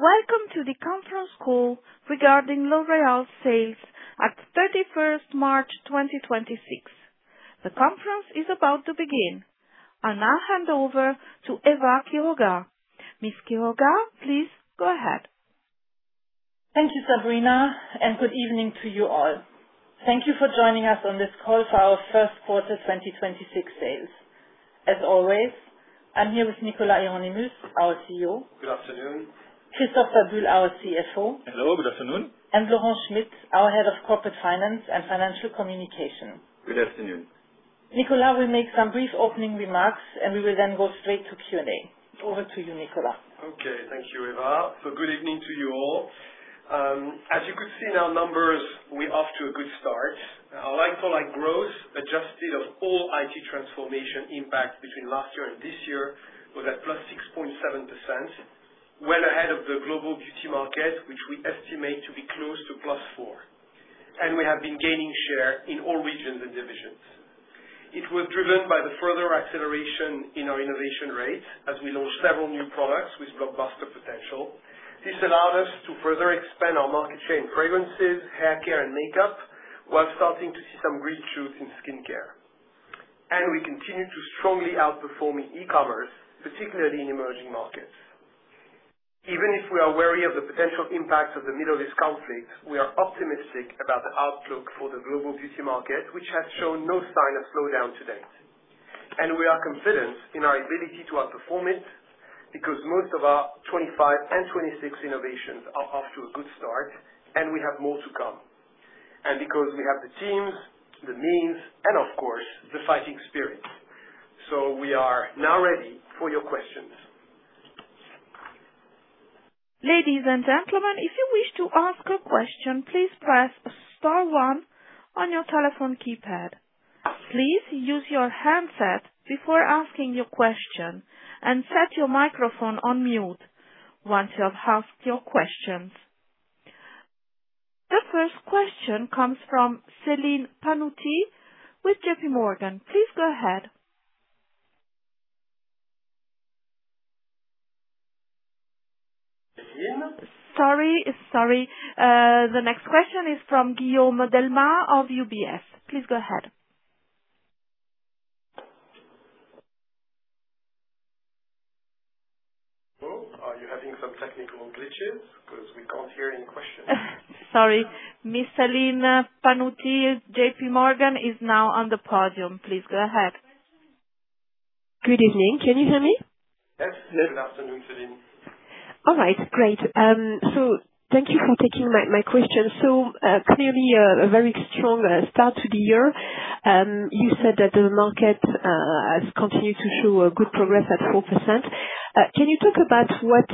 Welcome to the conference call regarding L'Oréal sales at 31st March 2026. The conference is about to begin. I now hand over to Eva Quiroga. Ms. Quiroga, please go ahead. Thank you, Sabrina, and good evening to you all. Thank you for joining us on this call for our first quarter 2026 sales. As always, I'm here with Nicolas Hieronimus, our CEO. Good afternoon. Christophe Babule, our CFO. Hello. Good afternoon. Laurent Schmitt, our Head of Corporate Finance and Financial Communication. Good afternoon. Nicolas will make some brief opening remarks, and we will then go straight to Q&A. Over to you, Nicolas. Okay. Thank you, Eva. Good evening to you all. As you could see in our numbers, we're off to a good start. Our like-for-like growth, adjusted of all IT transformation impact between last year and this year, was at +6.7%, well ahead of the global beauty market, which we estimate to be close to +4%. We have been gaining share in all regions and divisions. It was driven by the further acceleration in our innovation rate as we launched several new products with blockbuster potential. This allowed us to further expand our market share in fragrances, haircare, and makeup, while starting to see some green shoots in skincare. We continue to strongly outperform in e-commerce, particularly in emerging markets. Even if we are wary of the potential impact of the Middle East conflict, we are optimistic about the outlook for the global beauty market, which has shown no sign of slowdown to date. We are confident in our ability to outperform it because most of our 2025 and 2026 innovations are off to a good start and we have more to come. Because we have the teams, the means, and of course, the fighting spirit. We are now ready for your questions. The first question comes from Celine Pannuti with JPMorgan. Please go ahead. Sorry. The next question is from Guillaume Delmas of UBS. Please go ahead. Hello. Are you having some technical glitches? Because we can't hear any questions. Sorry. Ms. Celine Pannuti, JPMorgan is now on the podium. Please go ahead. Good evening. Can you hear me? Yes. Good afternoon, Celine. All right. Great. Thank you for taking my question. Clearly a very strong start to the year. You said that the market has continued to show a good progress at 4%. Can you talk about what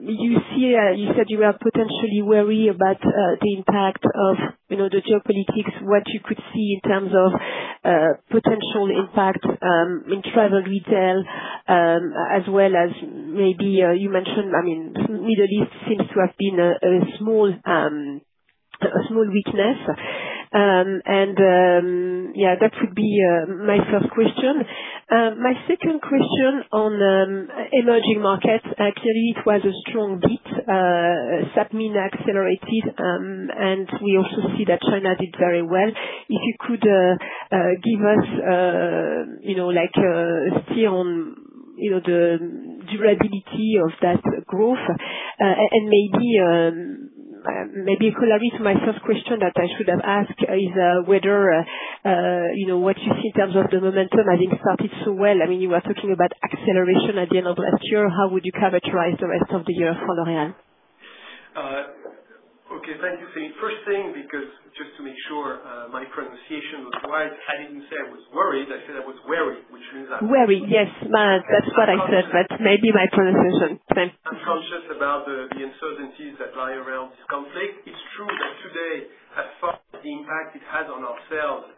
you see? You said you are potentially wary about the impact of the geopolitics, what you could see in terms of potential impact in travel retail, as well as maybe you mentioned, Middle East seems to have been a small weakness. Yeah, that would be my first question. My second question on emerging markets. Actually, it was a strong beat. SAPMENA accelerated, and we also see that China did very well. If you could give us a view on the durability of that growth. Maybe corollary to my first question that I should have asked is, what you see in terms of the momentum? I think it started so well. You were talking about acceleration at the end of last year. How would you characterize the rest of the year for L'Oréal? Okay. Thank you, Celine. First thing, because just to make sure my pronunciation was right, I didn't say I was worried. I said I was wary, which means that- Wary, yes. That's what I said. That's maybe my pronunciation. Sorry. I'm conscious about the uncertainties that lie around this conflict. It's true that today, as far as the impact it has on our sales,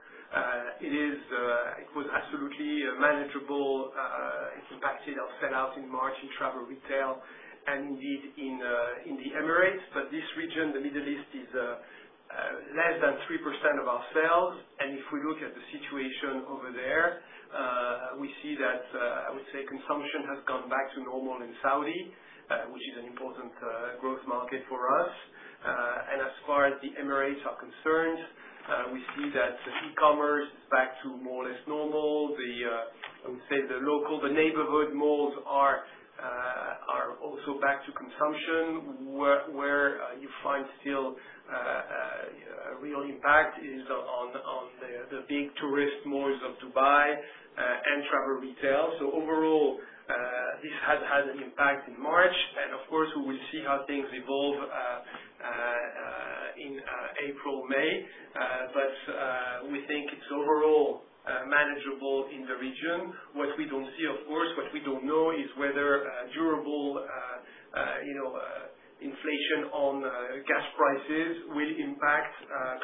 it was absolutely manageable. It impacted our sell-out in March in travel retail, and indeed in the Emirates. This region, the Middle East, is less than 3% of our sales. If we look at the situation over there, we see that, I would say consumption has gone back to normal in Saudi, which is an important growth market for us. As far as the Emirates are concerned, we see that e-commerce is back to more or less normal. I would say the local, the neighborhood malls are also back to consumption. Where you find still a real impact is on the big tourist malls of Dubai and travel retail. Overall, this has had an impact in March, and of course, we will see how things evolve in April, May. We think it's overall manageable in the region. Of course, what we don't know is whether durable inflation on gas prices will impact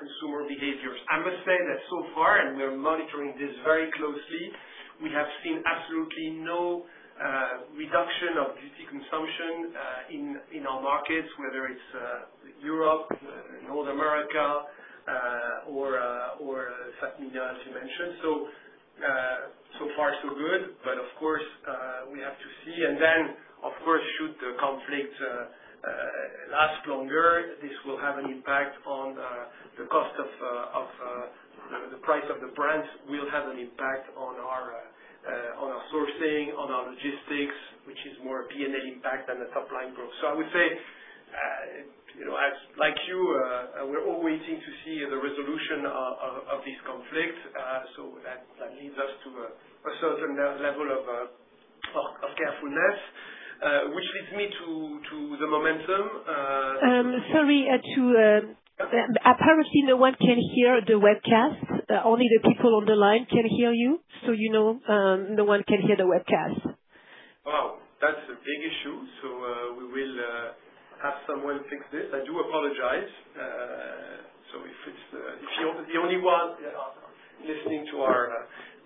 consumer behaviors. I must say that so far, and we are monitoring this very closely, we have seen absolutely no reduction of beauty consumption in our markets, whether it's Europe, North America or SAPMENA, as you mentioned. So far so good, but of course, we have to see. Then, of course, should the conflict last longer, this will have an impact on the price of the brands, will have an impact on our sourcing, on our logistics, which is more P&L impact than the top-line growth. I would say, like you, we're all waiting to see the resolution of this conflict. That leads us to a certain level of carefulness, which leads me to the momentum. Sorry. Apparently, no one can hear the webcast. Only the people on the line can hear you. No one can hear the webcast. Wow. That's a big issue. We will have someone fix this. I do apologize. If you're the only one listening to our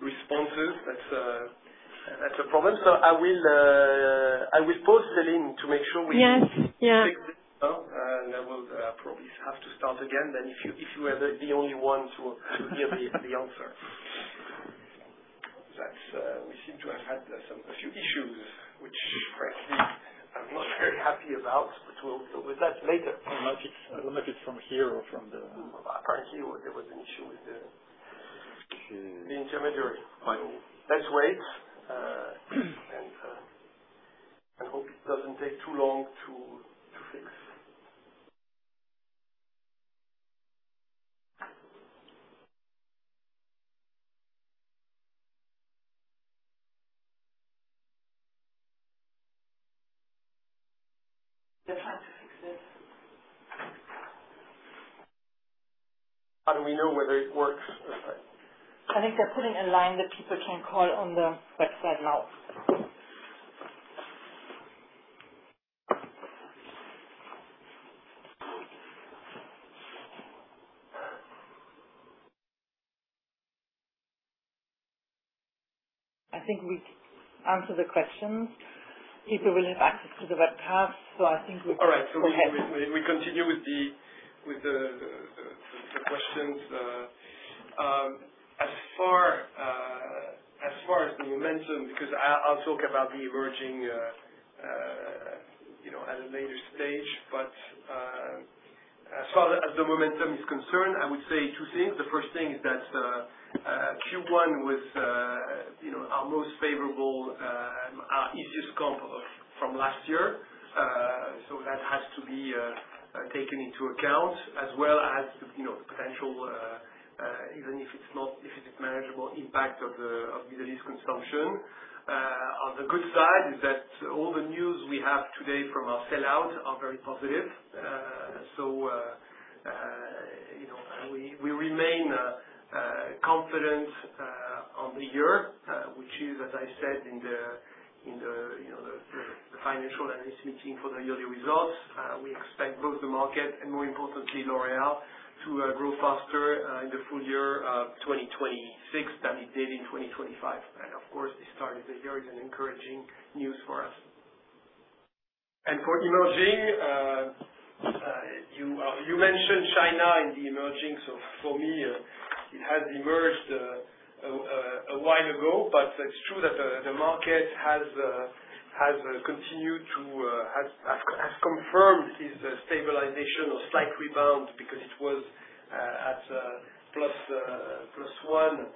responses, that's a problem. I will post the link to make sure we- Yes. Yeah Fix this. I will probably have to start again then if you are the only one who will hear the answer. We seem to have had a few issues, which frankly, I'm not very happy about, but we'll deal with that later. I don't know if it's from here or from the. Apparently, there was an issue with the intermediary. Let's wait, and hope it doesn't take too long to fix. They're trying to fix it. How do we know whether it works? I think they're putting a line that people can call on the website now. I think we've answered the questions. People will have access to the webcast. All right. We continue with the questions. As far as the momentum, because I'll talk about the emerging at a later stage. As far as the momentum is concerned, I would say two things. The first thing is that Q1 was our most favorable, our easiest comp from last year. That has to be taken into account as well as the potential, even if it's manageable impact of Middle East consumption. On the good side is that all the news we have today from our sell-out are very positive. We remain confident on the year, which is, as I said in the financial analysis meeting for the yearly results. We expect both the market and more importantly, L'Oréal, to grow faster in the full year of 2026 than it did in 2025. Of course, the start of the year is an encouraging news for us. For emerging, you mentioned China in the emerging. For me, it has emerged a while ago, but it's true that the market has confirmed this stabilization or slight rebound because it was at +1%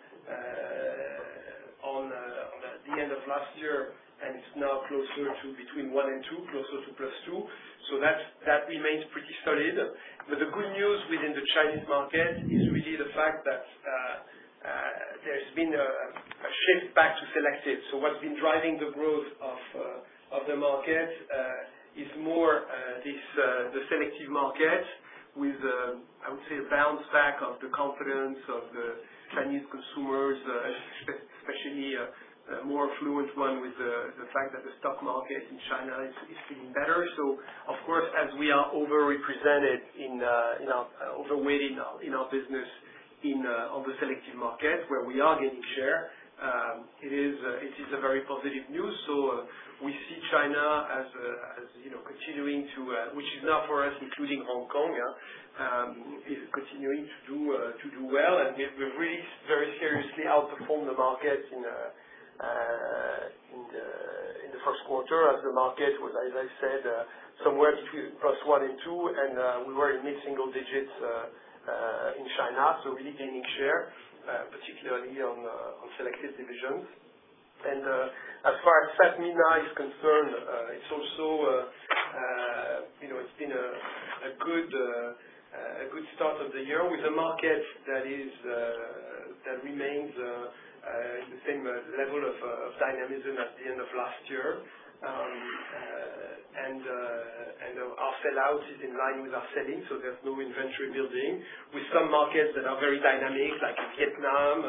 at the end of last year, and it's now closer to between 1% and 2%, closer to +2%. That remains pretty solid. The good news within the Chinese market is really the fact that there's been a shift back to selective. What's been driving the growth of the market is more the selective market with, I would say, a bounce back of the confidence of the Chinese consumers, especially a more affluent one with the fact that the stock market in China is feeling better. Of course, as we are overrepresented, over-weighted in our business of the selective market where we are gaining share, it is a very positive news. We see China, which is now for us, including Hong Kong, is continuing to do well. We've really very seriously outperformed the market in the first quarter as the market was, as I said, somewhere between +1% and 2%. We were in mid-single digits in China. Really gaining share, particularly on selective divisions. As far as SAPMENA is concerned, it's been a good start of the year with a market that remains the same level of dynamism at the end of last year. Our sell-out is in line with our selling, so there's no inventory building with some markets that are very dynamic, like Vietnam,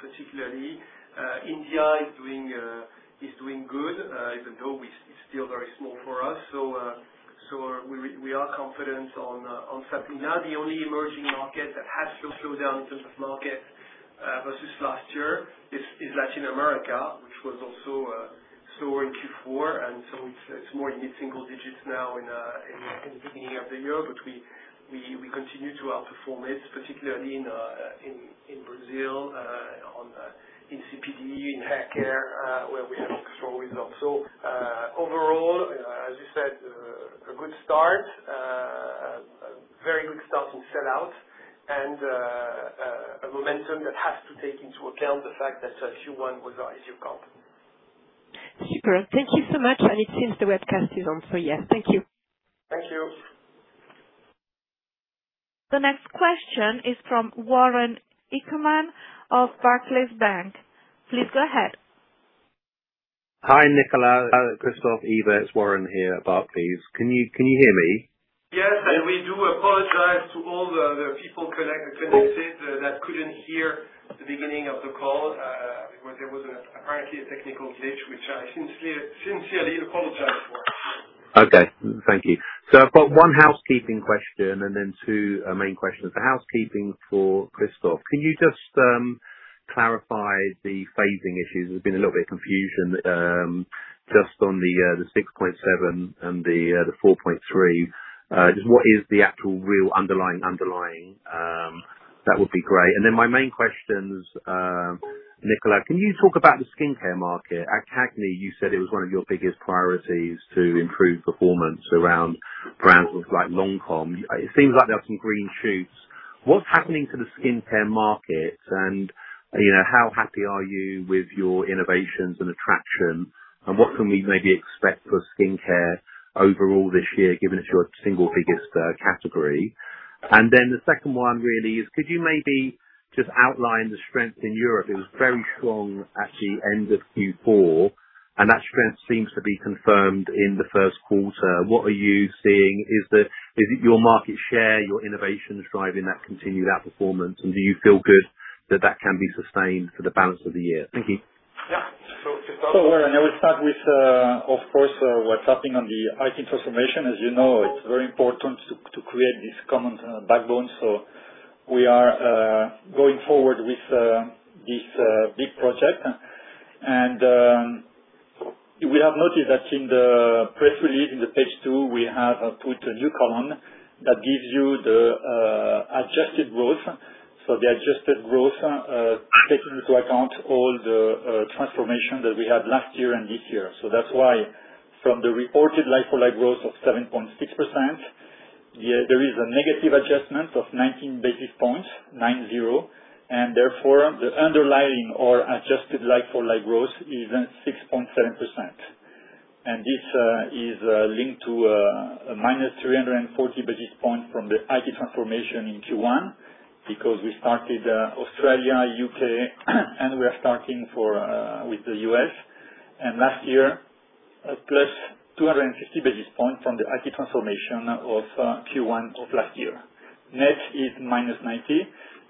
particularly. India is doing good, even though it's still very small for us. We are confident on SAPMENA. The only emerging market that has shown slowdown in terms of market versus last year is Latin America, which was also slow in Q4, and so it's more mid-single digits now in the beginning of the year. We continue to outperform it, particularly in Brazil, in CPD, in haircare, where we have strong results. Overall, as you said, a good start. A very good start in sellout, and a momentum that has to take into account the fact that Q1 was an easy comp. Super. Thank you so much. It seems the webcast is on, so yes. Thank you. Thank you. The next question is from Warren Ackerman of Barclays Bank. Please go ahead. Hi, Nicolas, Christophe, Eva, it's Warren here, Barclays. Can you hear me? Yes, we do apologize to all the people connected that couldn't hear the beginning of the call. There was apparently a technical glitch, which I sincerely apologize for. Okay. Thank you. I've got one housekeeping question and then two main questions. The housekeeping for Christophe, can you just clarify the phasing issues? There's been a little bit of confusion just on the 6.7% and the 4.3%. Just what is the actual real underlying? That would be great. My main question's, Nicolas, can you talk about the skincare market? At CAGNY, you said it was one of your biggest priorities to improve performance around brands like Lancôme. It seems like there are some green shoots. What's happening to the skincare market and how happy are you with your innovations and attraction, and what can we maybe expect for skincare overall this year, given it's your single biggest category? The second one really is, could you maybe just outline the strength in Europe? It was very strong at the end of Q4, and that strength seems to be confirmed in the first quarter. What are you seeing? Is it your market share, your innovations driving that continued outperformance, and do you feel good that that can be sustained for the balance of the year? Thank you. Yeah. Warren, I will start with, of course, what's happening on the IT transformation. As you know, it's very important to create this common backbone. We are going forward with this big project. You will have noticed that in the press release, on page two, we have put a new column that gives you the adjusted growth. The adjusted growth takes into account all the transformation that we had last year and this year. That's why from the reported like-for-like growth of 7.6%, there is a negative adjustment of 90 basis points, and therefore the underlying or adjusted like-for-like growth is at 6.7%. This is linked to a -340 basis points from the IT transformation in Q1 because we started Australia, U.K., and we are starting with the U.S. Last year, plus 260 basis points from the IT transformation of Q1 of last year. Net is -90,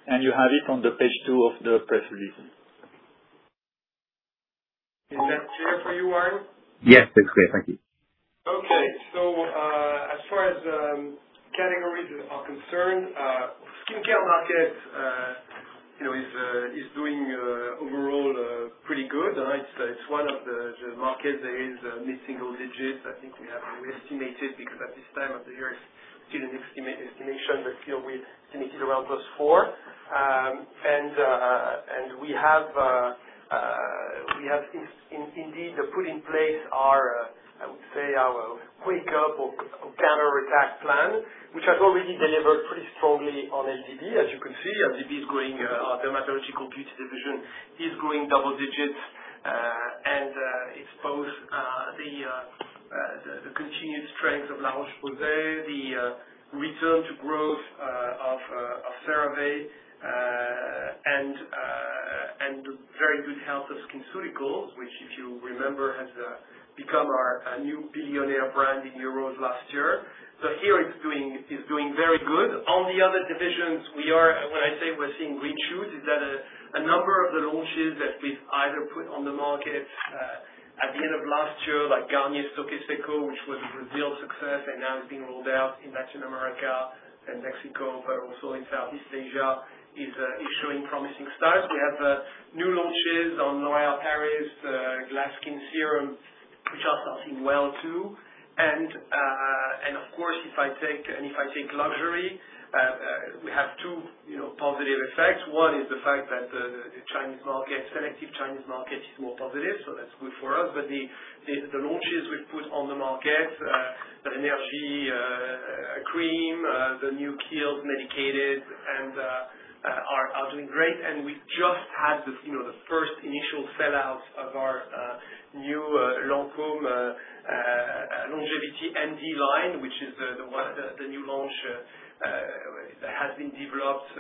and you have it on the page two of the press release. Is that clear for you, Warren? Yes, that's clear. Thank you. Okay. As far as categories are concerned, skincare market is doing overall pretty good. It's one of the markets that is mid-single digits. I think we have estimated, because at this time of the year it's still an estimation, but still we estimated around +4%. We have indeed put in place our, I would say our wake-up or counterattack plan, which has already delivered pretty strongly on LDB, as you can see. LDB is growing. Our Dermatological Beauty division is growing double digits. It's both the continued strength of La Roche-Posay, the return to growth of CeraVe, and the very good health of SkinCeuticals, which if you remember, has become our new billionaire brand in euros last year. Here it's doing very good. On the other divisions, when I say we're seeing green shoots, it's the number of the launches that we've either put on the market at the end of last year, like Garnier Toque Seco, which was a Brazil success and now is being rolled out in Latin America and Mexico, but also in Southeast Asia, is showing promising starts. We have new launches on L'Oréal Paris Glass Skin Serum, which are starting well, too. Of course, if I take luxury, we have two positive effects. One is the fact that the Chinese market, selective Chinese market, is more positive, so that's good for us. The launches we've put on the market, the Rénergie cream, the new Kiehl's medicated are doing great. We just had the first initial sell-out of our new Lancôme Longevity MD line, which is the one, the new launch that has been developed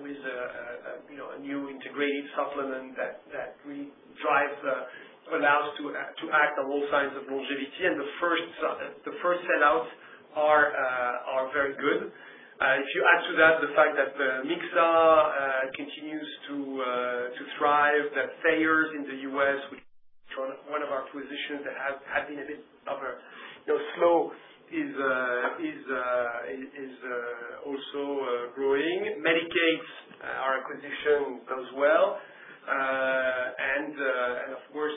with a new integrated supplement that we drive for Lancôme to act on all signs of longevity. The first sell-outs are very good. If you add to that the fact that Mixa continues to thrive, that Thayers in the U.S., which one of our positions that has been a bit slow is also growing. Medik8, our acquisition, goes well. Of course,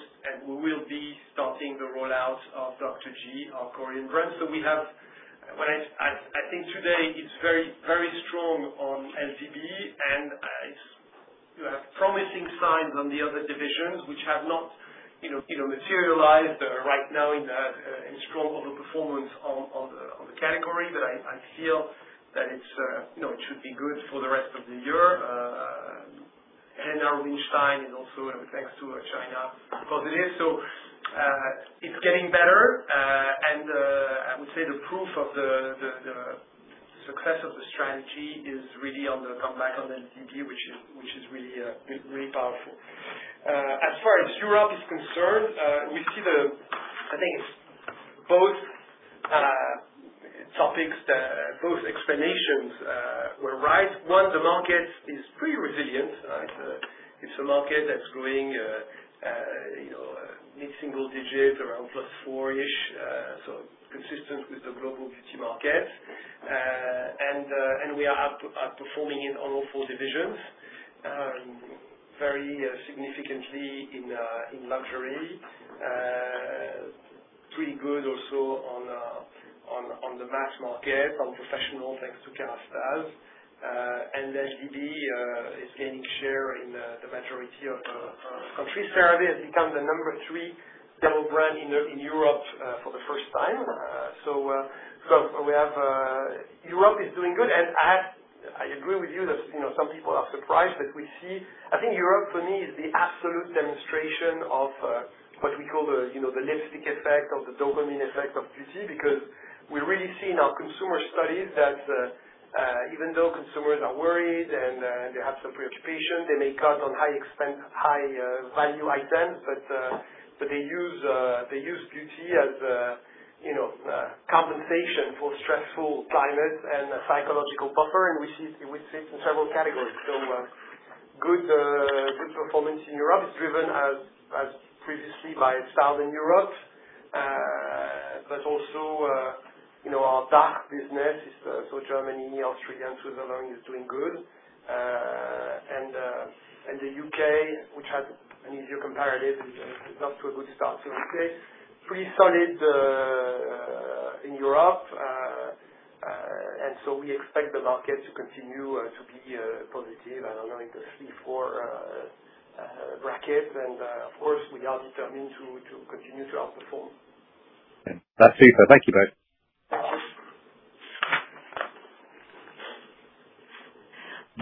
we will be starting the rollout of Dr. G, our Korean brand. I think today it's very strong on LVP, and you have promising signs on the other divisions, which have not materialized right now in strong overperformance on the category. I feel that it should be good for the rest of the year. Now Greenstein is also thanks to China, because it is. It's getting better. I would say the proof of the success of the strategy is really on the comeback on SGD, which is really powerful. As far as Europe is concerned, we see the. I think both topics, both explanations were right. One, the market is pretty resilient. It's a market that's growing mid-single-digit around +4%, so consistent with the global beauty market. We are outperforming in all four divisions, and very significantly in luxury. Pretty good also on the mass market, on professional, thanks to Kérastase. SGD is gaining share in the majority of countries. CeraVe has become the number three dermo brand in Europe for the first time. Europe is doing good, and I agree with you that some people are surprised, but we see. I think Europe for me is the absolute demonstration of what we call the lipstick effect or the dopamine effect of beauty, because we really see in our consumer studies that even though consumers are worried and they have some preoccupation, they may cut on high value items, but they use beauty as compensation for stressful climate and a psychological buffer, and we see it in several categories. Good performance in Europe is driven as previously by styling in Europe. Our DACH business, so Germany, Austria, and Switzerland, is doing good. The U.K., which had an easier comparative, got off to a good start. U.K., pretty solid in Europe. We expect the market to continue to be positive, I don't know, in the three to four bracket. Of course, we are determined to continue to outperform. That's super. Thank you both.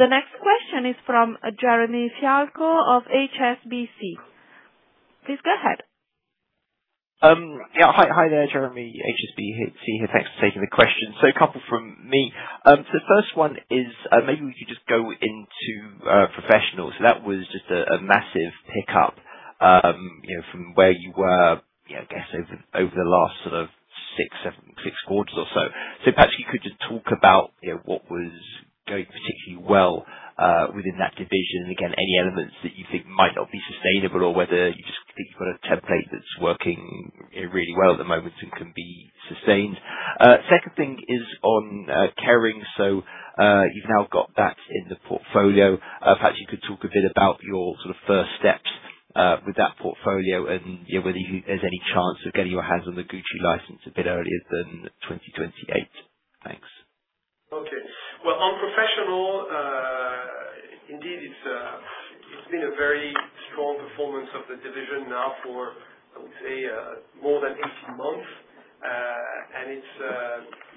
The next question is from Jeremy Fialko of HSBC. Please go ahead. Yeah. Hi there, Jeremy, HSBC here. Thanks for taking the question. A couple from me. The first one is, maybe we could just go into professionals. That was just a massive pickup, from where you were, I guess over the last six quarters or so. Perhaps you could just talk about what was going particularly well within that division. Again, any elements that you think might not be sustainable or whether you just think you've got a template that's working really well at the moment and can be sustained. Second thing is on Kering. You've now got that in the portfolio. Perhaps you could talk a bit about your sort of first steps with that portfolio and whether there's any chance of getting your hands on the Gucci license a bit earlier than 2028. Thanks. Okay. Well, on professional, indeed it's been a very strong performance of the division now for, I would say, more than 18 months.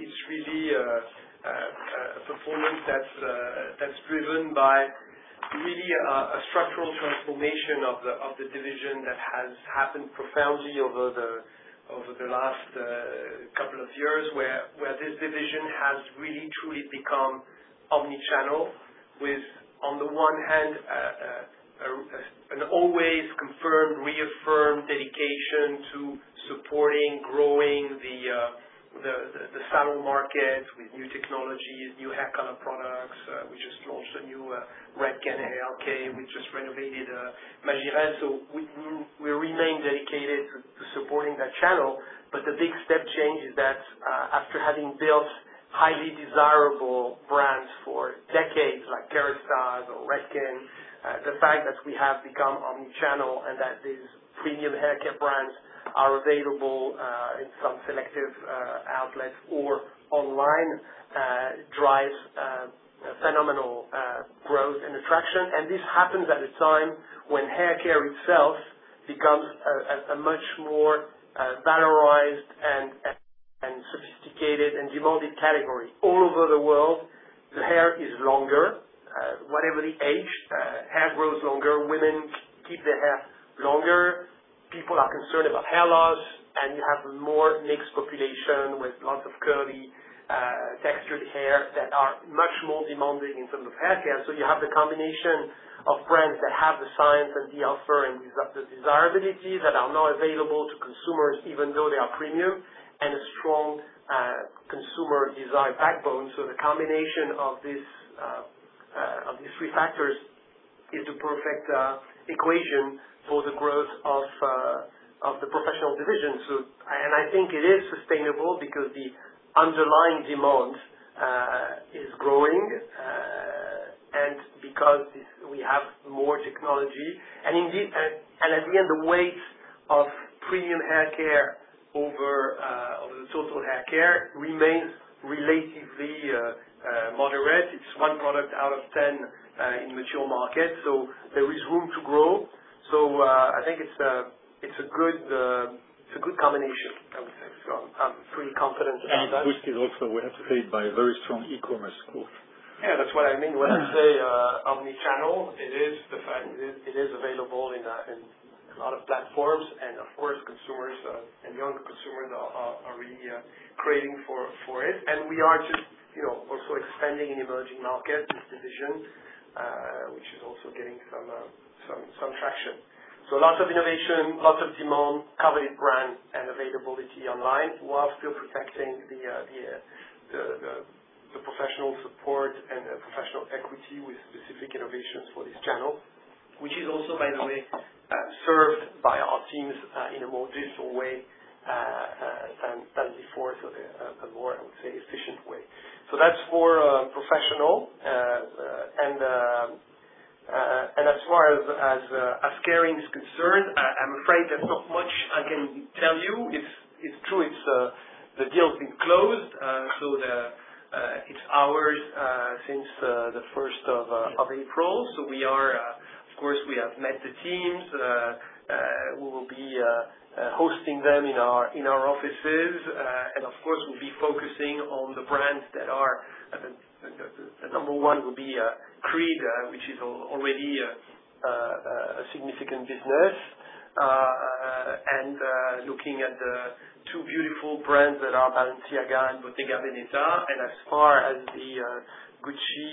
It's really a performance that's driven by really a structural transformation of the division that has happened profoundly over the last couple of years, where this division has really truly become omni-channel with, on the one hand, an always confirmed, reaffirmed dedication to supporting, growing the salon market with new technologies, new hair color products. We just launched a new Redken ALK. We just renovated. So we remain dedicated to supporting that channel. The big step change is that, after having built highly desirable brands for decades, like Kérastase or Redken, the fact that we have become omni-channel and that these premium haircare brands are available in some selective outlets or online, drives phenomenal growth and attraction. This happens at a time when haircare itself becomes a much more valorized and sophisticated and demanded category. All over the world, the hair is longer. Whatever the age, hair grows longer. Women keep their hair longer. People are concerned about hair loss, and you have a more mixed population with lots of curly, textured hair that are much more demanding in terms of haircare. You have the combination of brands that have the science and the offer and the desirability that are now available to consumers, even though they are premium, and a strong consumer desire backbone. The combination of these three factors is the perfect equation for the growth of the professional division. I think it is sustainable because the underlying demand is growing, and because we have more technology, and indeed, at the end, the weight of premium haircare over the total haircare remains relatively moderate. It's one product out of 10 in mature markets, so there is room to grow. I think it's a good combination, I would say. I'm pretty confident about that. Boosted also, we have to say, by very strong e-commerce growth. Yeah, that's what I mean when I say omni-channel. It is the fact it is available in a lot of platforms, and of course, consumers, and young consumers are really craving for it. We are just also expanding in emerging markets, this division, which is also getting some traction. Lots of innovation, lots of demand, coveted brand, and availability online, while still protecting the professional support and the professional equity with specific innovations for this channel. Which is also, by the way, served by our teams, in a more digital way than before. A more, I would say, efficient way. That's for professional. As far as Kering is concerned, I'm afraid there's not much I can tell you. It's true, the deal's been closed, so it's ours since the 1st of April. We are, of course, we have met the teams. We will be hosting them in our offices. Of course, we'll be focusing on the brands that are. The number one would be Creed, which is already a significant business. Looking at the two beautiful brands that are Balenciaga and Bottega Veneta. As far as the Gucci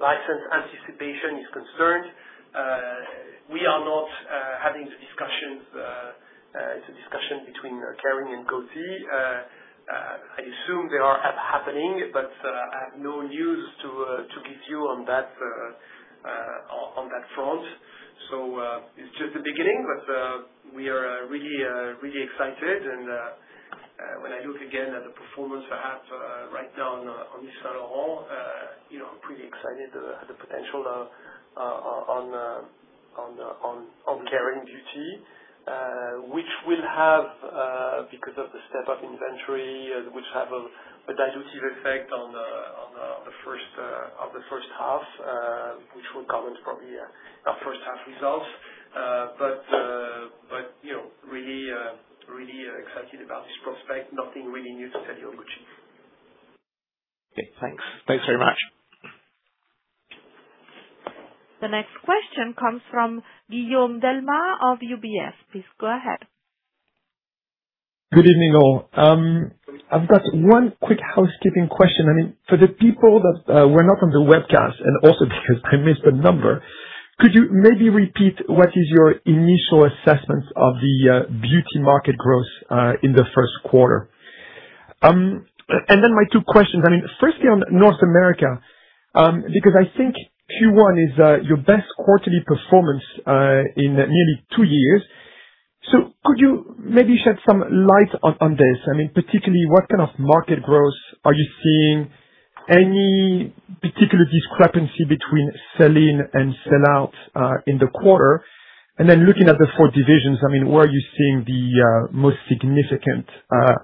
license anticipation is concerned, we are not having the discussions. It's a discussion between Kering and Gucci. I assume they are happening, but I have no news to give you on that front. It's just the beginning, but we are really excited and, when I look again at the performance perhaps right now on Yves Saint Laurent, I'm pretty excited at the potential on Kering Beauté, which will have, because of the step-up inventory, which have a dilutive effect on the first half, which we'll comment probably our first half results. Really excited about this prospect. Nothing really new to tell you on Gucci. Okay, thanks. Thanks very much. The next question comes from Guillaume Delmas of UBS. Please go ahead. Good evening, all. I've got one quick housekeeping question. I mean, for the people that were not on the webcast, and also because I missed the number, could you maybe repeat what is your initial assessment of the beauty market growth, in the first quarter? Then my two questions, I mean, firstly on North America, because I think Q1 is your best quarterly performance in nearly two years. Could you maybe shed some light on this? I mean, particularly what kind of market growth are you seeing? Any particular discrepancy between sell-in and sell-out in the quarter? Then looking at the four divisions, I mean, where are you seeing the most significant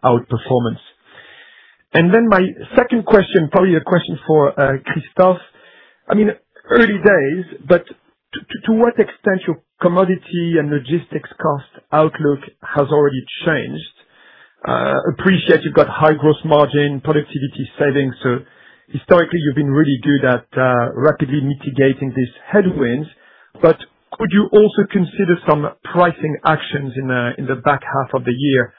outperformance? Then my second question, probably a question for Christophe. I mean, early days, but to what extent your commodity and logistics cost outlook has already changed? appreciate you've got high gross margin, productivity savings. Historically you've been really good at rapidly mitigating these headwinds, but could you also consider some pricing actions in the back half of the year,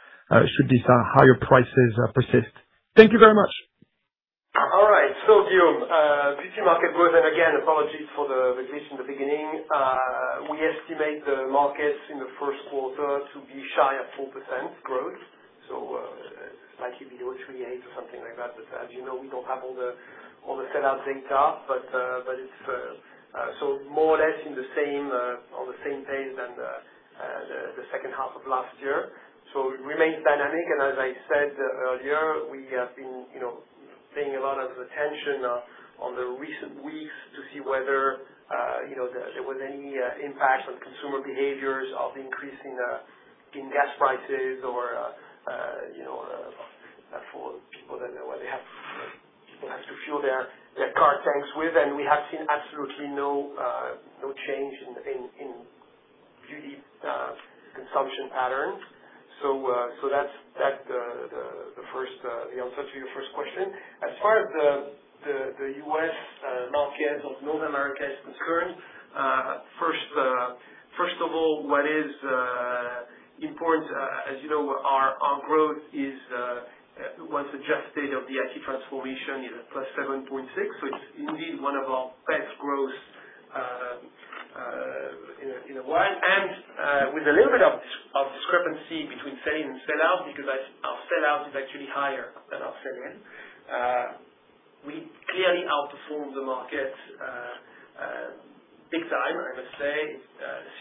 should these higher prices persist? Thank you very much. All right. Guillaume, beauty market growth, and again, apologies for the glitch in the beginning. We estimate the markets in the first quarter to be shy of 4% growth. It's likely to be 3.8% or something like that. As you know, we don't have all the sell-out data. More or less on the same pace than the second half of last year. It remains dynamic, and as I said earlier, we have been paying a lot of attention on the recent weeks to see whether there was any impact on consumer behaviors of increasing in gas prices or, for people that, what they have to fuel their car tanks with. We have seen absolutely no change in beauty consumption patterns. That's the answer to your first question. As far as the U.S. markets of North America is concerned, first of all, what is important, as you know, our growth is once adjusted for the IT transformation, is at +7.6%. It's indeed one in a while. With a little bit of discrepancy between sell-in and sell-out, because our sell-out is actually higher than our sell-in. We clearly outperformed the market big time, I must say.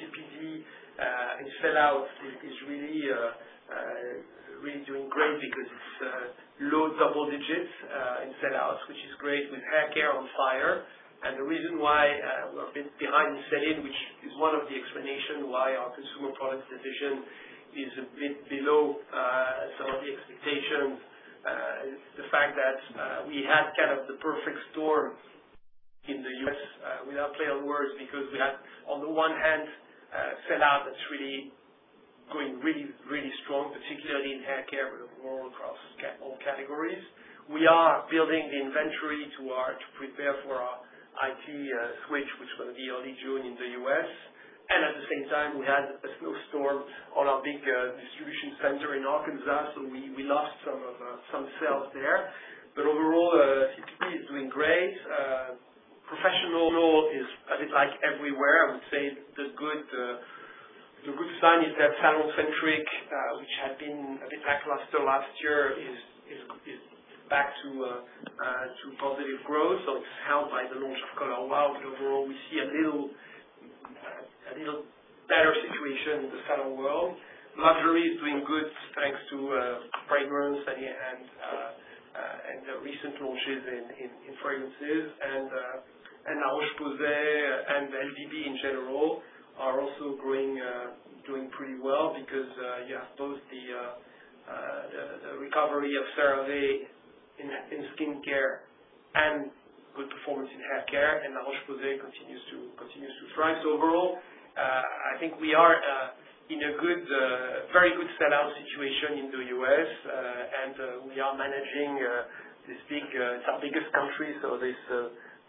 CPD in sell-out is really doing great because it's low double digits in sell-out, which is great with haircare on fire. The reason why we are a bit behind the sell-in, which is one of the explanation why our Consumer Products Division is a bit below some of the expectations, is the fact that we had kind of the perfect storm in the U.S., without play on words, because we had, on the one hand, sellout that's really going really strong, particularly in haircare, but overall across all categories. We are building the inventory to prepare for our IT switch, which is going to be early June in the U.S. At the same time, we had a snowstorm on our big distribution center in Arkansas. Overall, CPD is doing great. Professional is a bit like everywhere. I would say the good sign is that SalonCentric, which had been a bit lackluster last year, is back to positive growth. It's helped by the launch of Color Wow. Overall, we see a little better situation in the salon world. Luxury is doing good, thanks to fragrance and the recent launches in fragrances. La Roche-Posay and LDB in general are also doing pretty well because you have both the recovery of CeraVe in skincare and good performance in haircare, and La Roche-Posay continues to thrive. Overall, I think we are in a very good sellout situation in the U.S., and we are managing this big, it's our biggest country, so this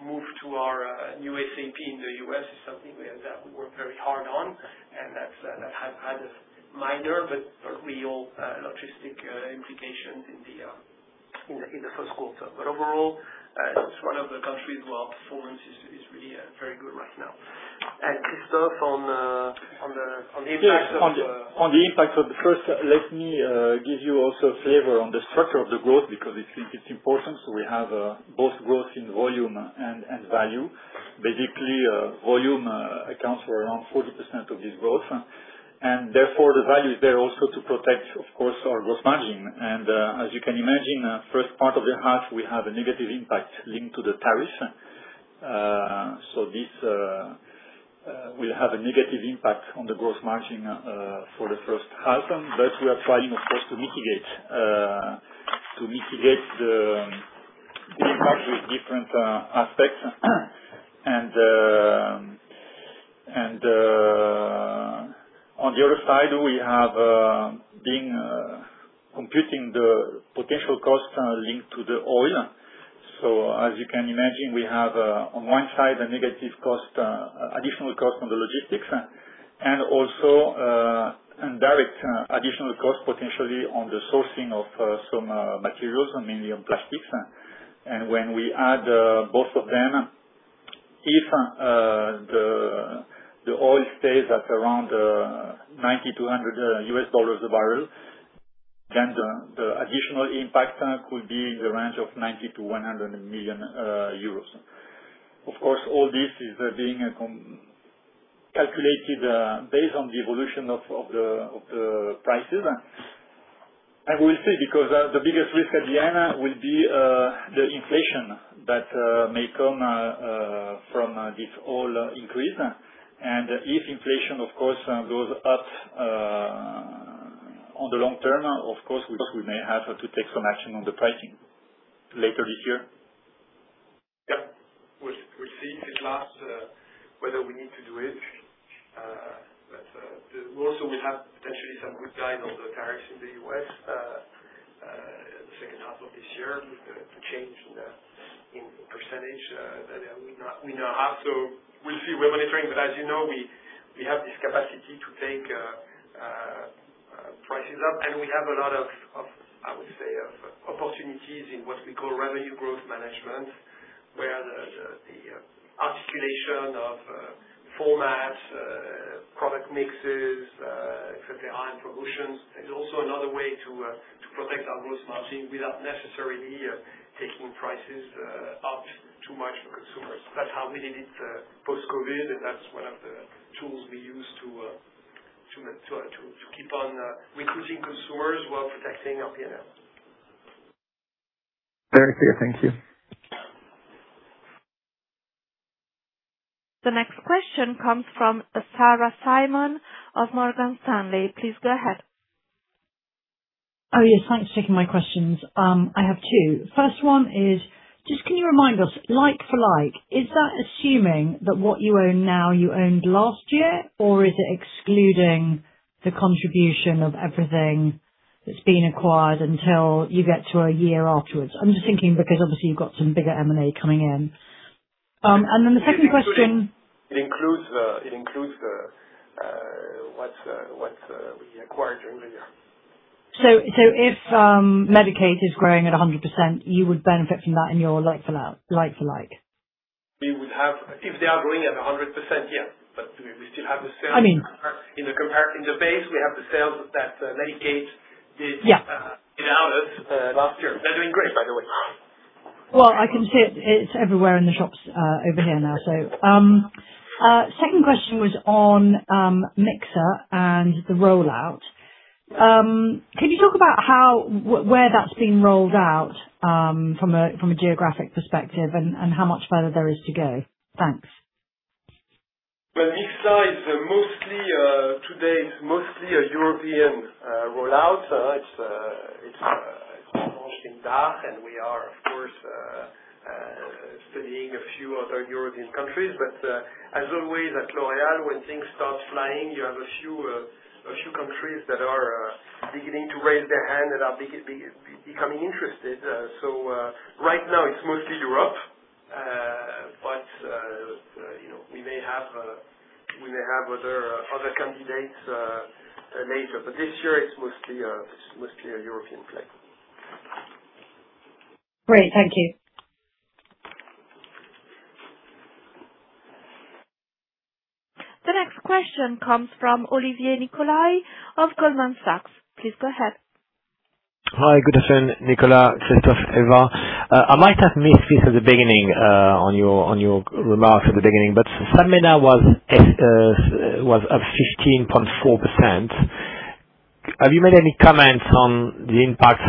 move to our new SAP in the U.S. is something that we worked very hard on, and that had minor but real logistical implications in the first quarter. Overall, it's one of the countries where our performance is really very good right now. Christophe on the impact of- Yeah. On the impact of the first, let me give you also a flavor on the structure of the growth, because it's important. We have both growth in volume and value. Basically, volume accounts for around 40% of this growth. Therefore, the value is there also to protect, of course, our gross margin. As you can imagine, first part of the half, we have a negative impact linked to the tariff. This will have a negative impact on the gross margin for the first half. We are trying, of course, to mitigate the impact with different aspects. On the other side, we have been computing the potential costs linked to the oil. As you can imagine, we have, on one side, a negative additional cost on the logistics, and also indirect additional cost potentially on the sourcing of some materials, mainly on plastics. When we add both of them, if the oil stays at around $90-$100 a barrel, then the additional impact could be in the range of 90 million-100 million euros. Of course, all this is being calculated based on the evolution of the prices. We'll see, because the biggest risk at the end will be the inflation that may come from this oil increase. If inflation, of course, goes up on the long term, of course, we may have to take some action on the pricing later this year. Yeah. We'll see this last, whether we need to do it. We also will have potentially some good guidance on the tariffs in the U.S., the second half of this year with the change in the percentage that we now have. We'll see. We're monitoring. As you know, we have this capacity to take prices up, and we have a lot of, I would say, opportunities in what we call revenue growth management, where the articulation of formats, product mixes, et cetera, and promotions is also another way to protect our gross margin without necessarily taking prices up too much for consumers. That's how we did it post-COVID, and that's one of the tools we use to keep on recruiting consumers while protecting our P&L. Very clear. Thank you. The next question comes from Sarah Simon of Morgan Stanley. Please go ahead. Oh, yes. Thanks for taking my questions. I have two. First one is, just can you remind us, like for like, is that assuming that what you own now, you owned last year, or is it excluding the contribution of everything that's been acquired until you get to a year afterwards? I'm just thinking because obviously you've got some bigger M&A coming in. And then the second question- It includes what we acquired during the year. If Medik8 is growing at 100%, you would benefit from that in your like-for-like? We would have, if they are growing at 100%, yeah. We still have the sales- I mean. In the base, we have the sales that Medik8 did. Yeah in others last year. They're doing great, by the way. Well, I can see it. It's everywhere in the shops over here now. Second question was on Mixa and the rollout. Can you talk about where that's being rolled out from a geographic perspective and how much further there is to go? Thanks. Well, Mixa is mostly, today, it's mostly a European rollout. It's launched in DACH, and we are, of course, studying a few other European countries. As always, at L'Oréal, when things start flying, you have a few countries that are beginning to raise their hand and are becoming interested. Right now it's mostly Europe. We may have other candidates later. This year it's mostly a European play. Great. Thank you. The next question comes from Olivier Nicolai of Goldman Sachs. Please go ahead. Hi, good afternoon, Nicolas, Christophe, Eva. I might have missed this at the beginning, on your remarks at the beginning, but SAPMENA was up 15.4%. Have you made any comments on the impact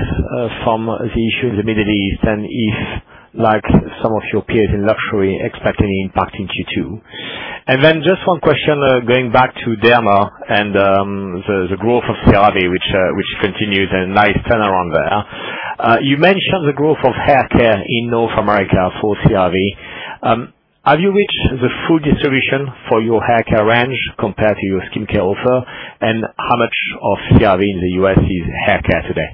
from the issue of the Middle East and if, like some of your peers in luxury, expect any impact in Q2? Then just one question, going back to Derma and the growth of CeraVe, which continues a nice turnaround there. You mentioned the growth of haircare in North America for CeraVe. Have you reached the full distribution for your haircare range compared to your skincare offer? And how much of CeraVe in the U.S. is haircare today?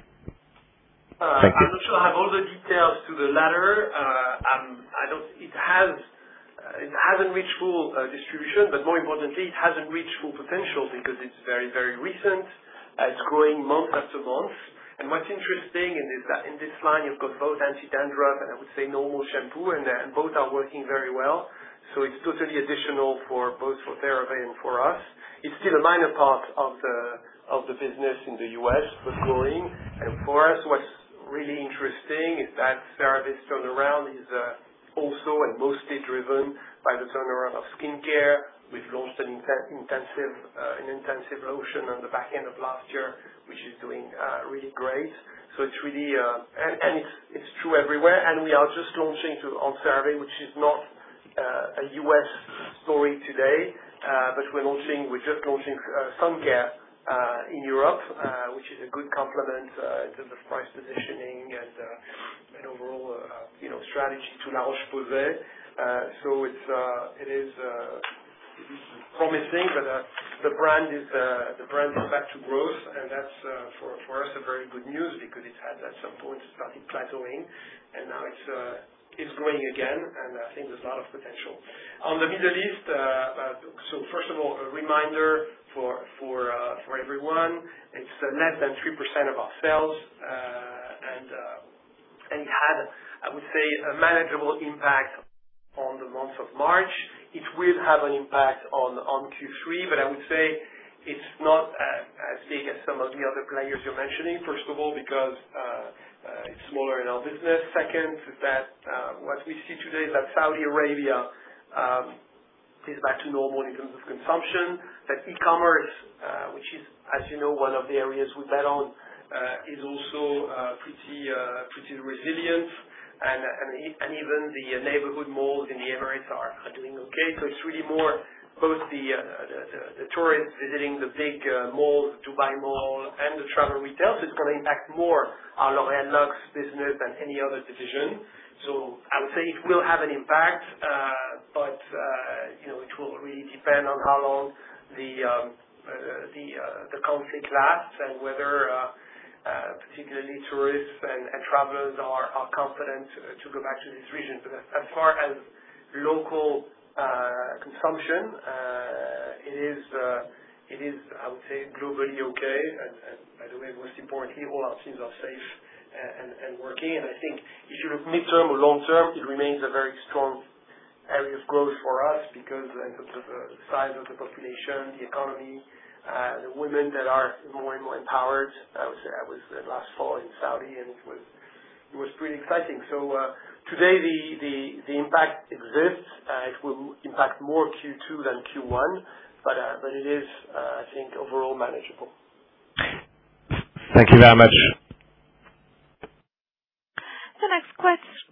Thank you. I'm not sure I have all the details to the latter. It hasn't reached full distribution, but more importantly, it hasn't reached full potential because it's very recent. It's growing month after month. What's interesting is that in this line, you've got both anti-dandruff and I would say normal shampoo, and both are working very well. It's totally additional for both CeraVe and for us. It's still a minor part of the business in the U.S., but growing. What's really interesting is that CeraVe's turnaround is also mostly driven by the turnaround of skincare. We've launched an intensive lotion on the back end of last year, which is doing really great. It's really and it's true everywhere, and we are just launching on CeraVe, which is not a U.S. story today. We're just launching sun care in Europe, which is a good complement in terms of price positioning and overall strategy to La Roche-Posay. It is promising, but the brand is back to growth, and that's, for us, a very good news because it had, at some point, started plateauing, and now it's growing again. I think there's a lot of potential. On the Middle East, first of all, a reminder for everyone, it's less than 3% of our sales. It had, I would say, a manageable impact on the month of March. It will have an impact on Q3, but I would say it's not as big as some of the other players you're mentioning, first of all, because it's smaller in our business. Second is that, what we see today is that Saudi Arabia is back to normal in terms of consumption. That e-commerce, which is, as you know, one of the areas we bet on, is also pretty resilient. Even the neighborhood malls in the Emirates are doing okay. It's really more both the tourists visiting the big malls, Dubai Mall, and the travel retail. It's going to impact more our L'Oréal Luxe business than any other division. I would say it will have an impact, but it will really depend on how long the conflict lasts and whether, particularly tourists and travelers are confident to go back to this region. As far as local consumption, it is, I would say, globally okay. By the way, most importantly, all our teams are safe and working. I think if you look midterm or long-term, it remains a very strong area of growth for us because the size of the population, the economy, the women that are more and more empowered. I would say I was last fall in Saudi, and it was pretty exciting. Today, the impact exists. It will impact more Q2 than Q1. It is, I think, overall manageable. Thank you very much. The next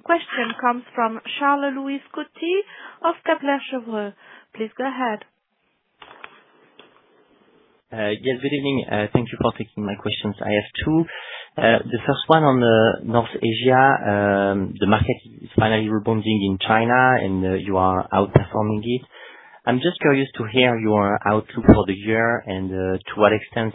question comes from Charles-Louis Scotti of Kepler Cheuvreux. Please go ahead. Yes, good evening. Thank you for taking my questions. I have two. The first one on the North Asia. The market is finally rebounding in China, and you are outperforming it. I'm just curious to hear your outlook for the year and to what extent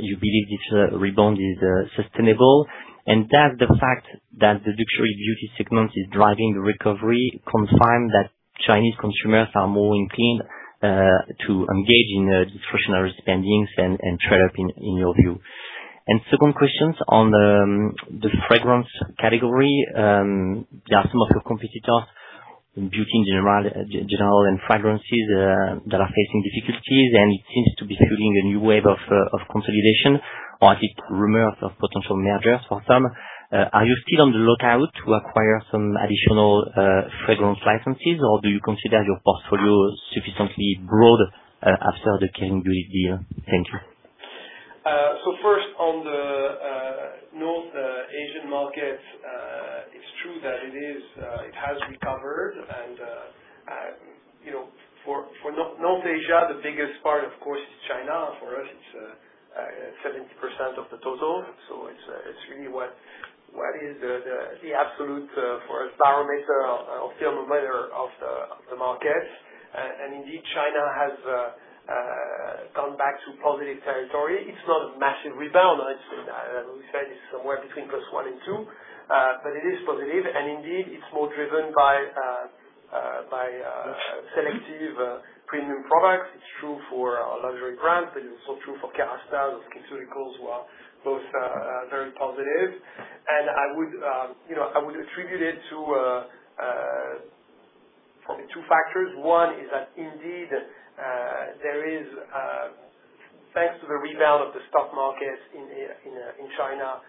you believe this rebound is sustainable? Does the fact that the luxury beauty segment is driving the recovery confirm that Chinese consumers are more inclined to engage in discretionary spending and trade up in your view? Second question on the fragrance category. There are some of your competitors in beauty in general, and fragrances that are facing difficulties, and it seems to be fueling a new wave of consolidation or at least rumors of potential mergers for some. Are you still on the lookout to acquire some additional fragrance licenses, or do you consider your portfolio sufficiently broad after the Kering group deal? Thank you. First, on the North Asian market, it's true that it has recovered. For North Asia, the biggest part, of course, is China. For us, it's 70% of the total. It's really what is the absolute for a barometer or thermometer of the market. Indeed, China has gone back to positive territory. It's not a massive rebound. As we said, it's somewhere between +1% and +2%, but it is positive. Indeed, it's more driven by selective premium products. It's true for our luxury brands, but it's also true for Kérastase or SkinCeuticals, who are both very positive. I would attribute it to probably two factors. One is that indeed, thanks to the rebound of the stock market in China,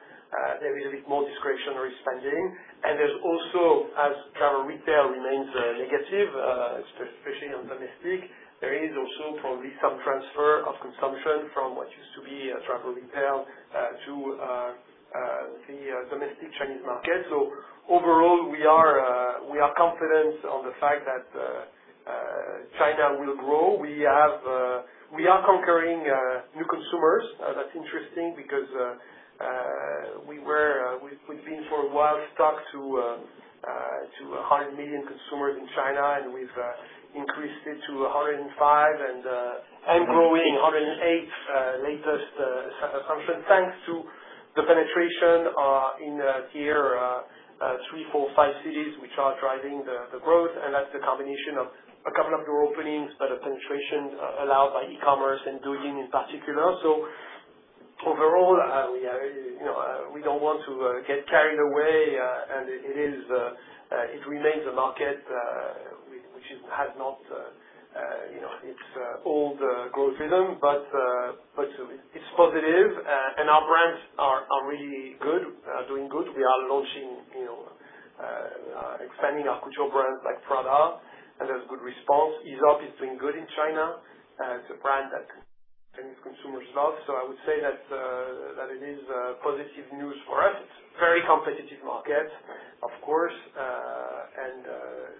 there is a bit more discretionary spending. There's also, as travel retail remains negative, especially on domestic, there is also probably some transfer of consumption from what used to be travel retail to the domestic Chinese market. Overall, we are confident of the fact that China will grow. We are conquering new consumers. That's interesting because we've been for a while stuck to 100 million consumers in China, and we've increased it to 105, and growing 108 latest assumption thanks to the penetration in tier 3, 4, 5 cities, which are driving the growth. That's a combination of a couple of door openings, but a penetration allowed by e-commerce and Douyin in particular. Overall, we don't want to get carried away, and it remains a market which has not its old growth rhythm, but it's positive, and our brands are really doing good. We are expanding our cultural brands like Prada, and there's good response. Aesop is doing good in China. It's a brand that Chinese consumers love. I would say that it is positive news for us. It's a very competitive market, of course, and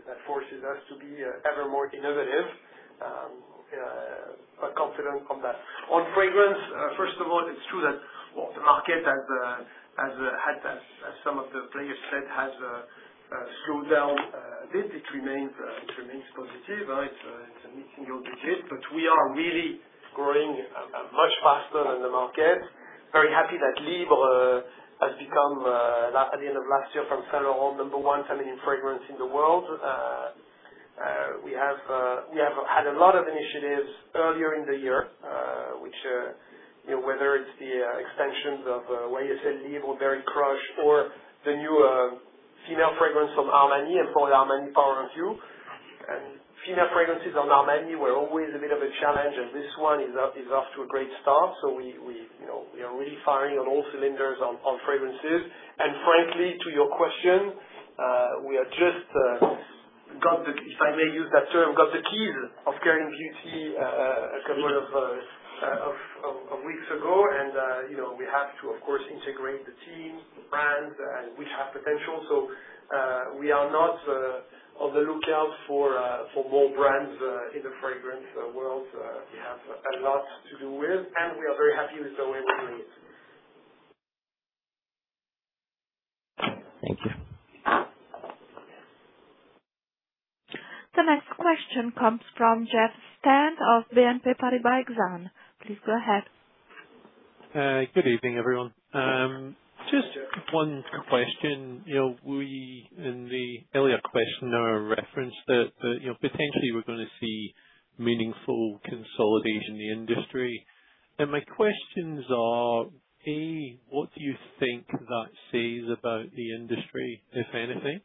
that forces us to be ever more innovative, but confident on that. On fragrance, first of all, it's true that the market as some of the players said, has slowed down a bit. It remains positive. It's mid-single digits, but we are really growing much faster than the market. Very happy that Libre has become, at the end of last year, the best-selling number one feminine fragrance in the world. We have had a lot of initiatives earlier in the year, whether it's the extensions of YSL, Libre Berry Crush or the new female fragrance from Armani, Emporio Armani Power of You. Female fragrances on Armani were always a bit of a challenge, and this one is off to a great start. We are really firing on all cylinders on fragrances. Frankly, to your question, we have just, if I may use that term, got the keys of Kering Beauté a couple of weeks ago, and we have to, of course, integrate the teams, the brands which have potential. We are not on the lookout for more brands in the fragrance world. We have a lot to do with, and we are very happy with the way we're doing it. Thank you. The next question comes from Jeff Stent of BNP Paribas Exane. Please go ahead. Good evening, everyone. Just one question. We, in the earlier question, referenced that potentially we're going to see meaningful consolidation in the industry. My questions are, A, what do you think that says about the industry, if anything?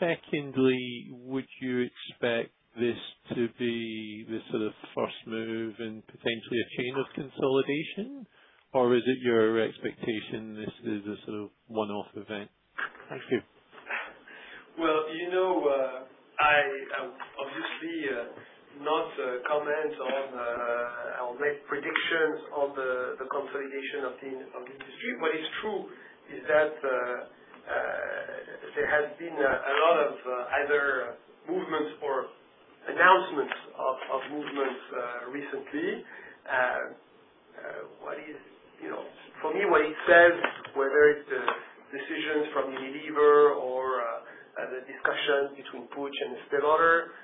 Secondly, would you expect this to be the sort of first move in potentially a chain of consolidation, or is it your expectation this is a sort of one-off event? Thank you. Well, I obviously will not comment on or make predictions on the consolidation of the industry. What is true is that there has been a lot of either movements or announcements of movements recently. For me, when it says whether it's decisions from Unilever or the discussion between Puig and Estée Lauder,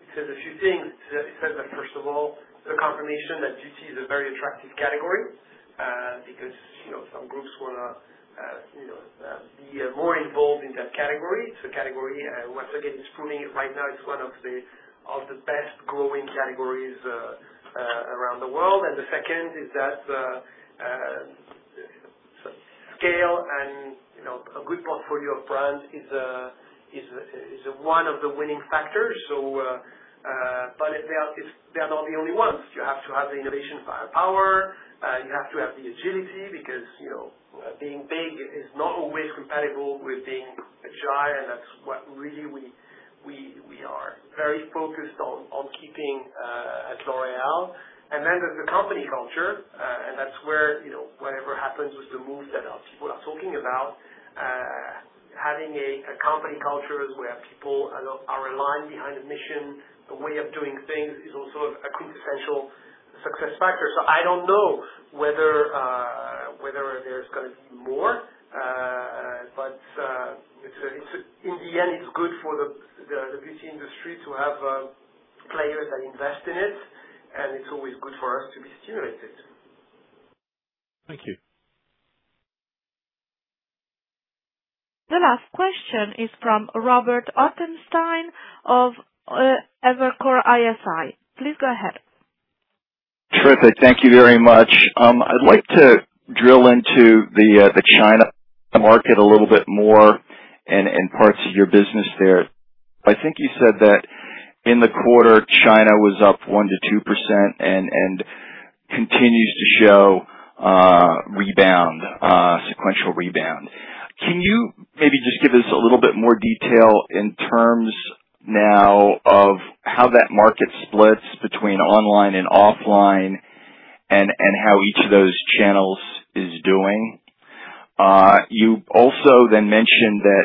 it says a few things. It says that, first of all, the confirmation that beauty is a very attractive category, because some groups want to be more involved in that category. It's a category, once again, grooming right now is one of the best growing categories around the world. The second is that scale and a good portfolio of brands is one of the winning factors. They are not the only ones. You have to have the innovation firepower, you have to have the agility, because being big is not always compatible with being agile, and that's what really we are very focused on keeping at L'Oréal. Then there's the company culture, and that's where whatever happens with the moves that our people are talking about, having a company culture where people are aligned behind a mission, a way of doing things is also a quintessential success factor. I don't know whether there's going to be more. In the end, it's good for the beauty industry to have players that invest in it, and it's always good for us to be stimulated. Thank you. The last question is from Robert Ottenstein of Evercore ISI. Please go ahead. Terrific. Thank you very much. I'd like to drill into the China market a little bit more and parts of your business there. I think you said that in the quarter, China was up 1%-2% and continues to show rebound, sequential rebound. Can you maybe just give us a little bit more detail in terms now of how that market splits between online and offline, and how each of those channels is doing? You also then mentioned that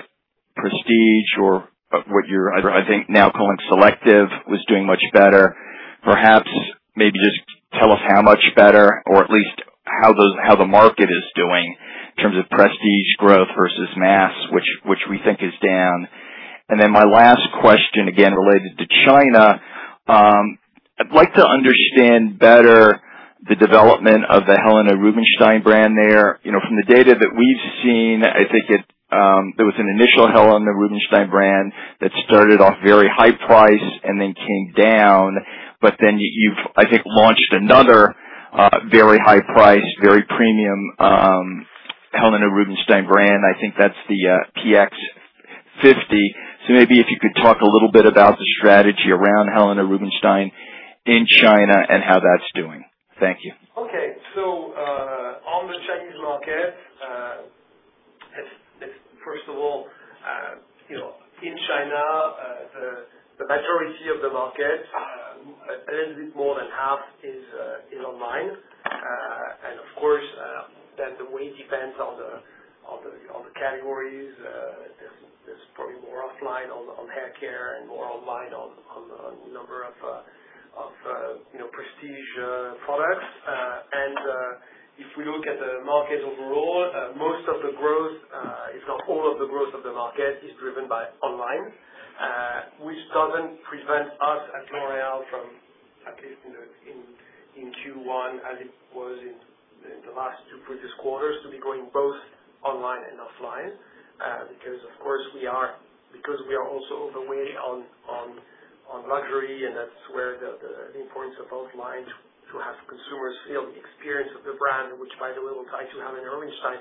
prestige or what you're, I think, now calling selective, was doing much better. Perhaps, maybe just tell us how much better or at least how the market is doing in terms of prestige growth versus mass, which we think is down. Then my last question, again, related to China. I'd like to understand better the development of the Helena Rubinstein brand there. From the data that we've seen, I think there was an initial Helena Rubinstein brand that started off very high price and then came down. You've, I think, launched another very high price, very premium Helena Rubinstein brand, I think that's the PX50. Maybe if you could talk a little bit about the strategy around Helena Rubinstein in China and how that's doing. Thank you. Okay. On the Chinese market, first of all, in China, the majority of the market, a little bit more than half is online. Of course, then the weight depends on the categories. There's probably more offline on hair care and more online on a number of prestige products. If we look at the market overall, most of the growth, if not all of the growth of the market is driven by online, which doesn't prevent us at L'Oréal from, at least in Q1, as it was in the last two previous quarters, to be going both online and offline. Because we are also overweight on luxury, and that's where the importance of offline to have consumers feel the experience of the brand, which, by the way, with Helena Rubinstein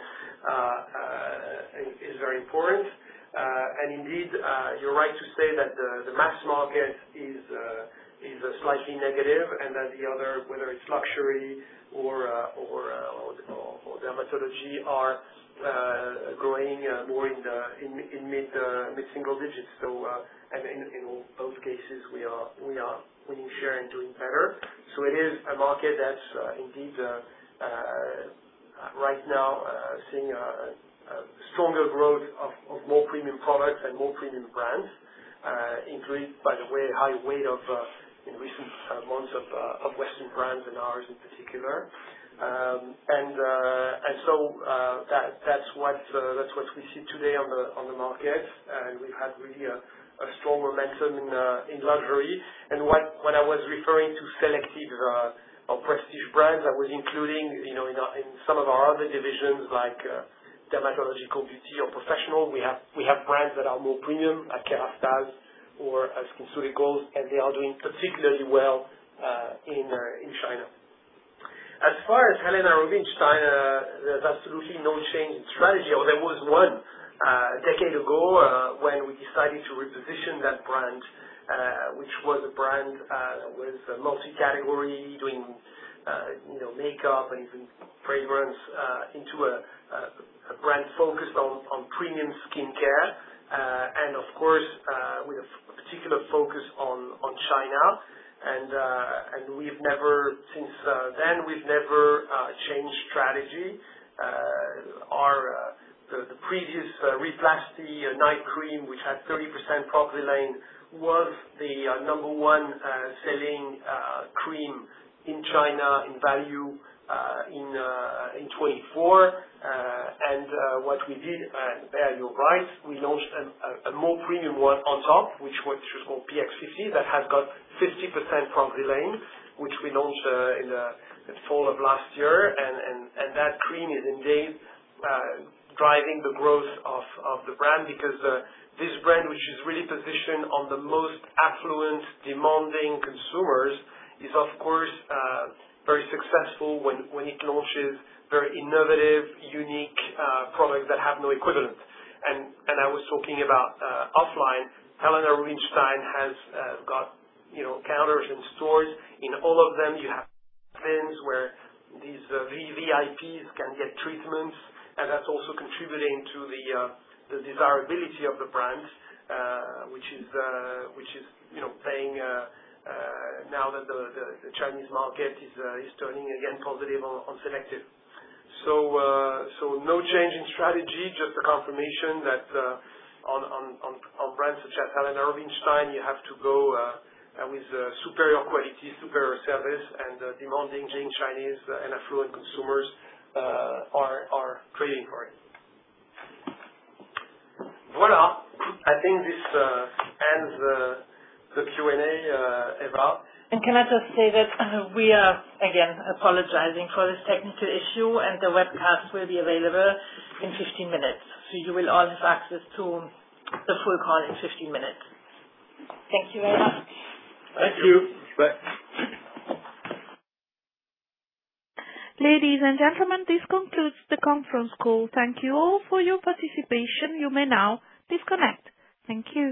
is very important. Indeed, you're right to say that the mass market is slightly negative, and that the other, whether it's luxury or Dermatological Beauty, are growing more in mid-single digits. In both cases, we are winning share and doing better. It is a market that's indeed right now seeing a stronger growth of more premium products and more premium brands, including, by the way, a high weight in recent months of Western brands and ours in particular. That's what we see today on the market, and we've had really a strong momentum in luxury. When I was referring to selective or prestige brands, I was including in some of our other divisions, like Dermatological Beauty or Professional. We have brands that are more premium, like Kérastase or SkinCeuticals, and they are doing particularly well in China. As far as Helena Rubinstein, there's absolutely no change in strategy. There was one a decade ago, when we decided to reposition that brand, which was a brand that was multi-category, doing makeup and even fragrance, into a brand focused on premium skincare. Of course, with a particular focus on China. Since then, we've never changed strategy. The previous Re-Plasty Night Cream, which had 30% Pro-Xylane, was the number one selling cream in China in value in 2024. What we did, and you're right, we launched a more premium one on top, which is called PX50, that has got 50% Pro-Xylane, which we launched in the fall of last year. That cream is indeed driving the growth of the brand because this brand, which is really positioned on the most affluent, demanding consumers, is of course very successful when it launches very innovative, unique products that have no equivalent. I was talking about offline, Helena Rubinstein has got counters and stores. In all of them, you have things where these VVIPs can get treatments, and that's also contributing to the desirability of the brand, which is paying off now that the Chinese market is turning again positive on selective. No change in strategy, just a confirmation that on brands such as Helena Rubinstein, you have to go with superior quality, superior service, and demanding Chinese and affluent consumers are craving for it. Voilà. I think this ends the Q&A, Eva. Can I just say that we are again apologizing for this technical issue, and the webcast will be available in 15 minutes. You will all have access to the full call in 15 minutes. Thank you very much. Thank you. Bye. Ladies and gentlemen, this concludes the conference call. Thank you all for your participation. You may now disconnect. Thank you.